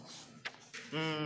うん。